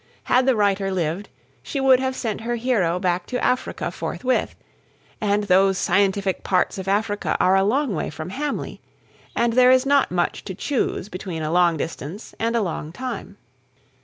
Had the writer lived, she would have sent her hero back to Africa forthwith; and those scientific parts of Africa are a long way from Hamley; and there is not much to choose between a long distance and a long time.